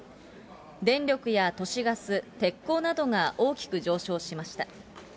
電力や都市ガス、鉄鋼などが大きく上昇しました。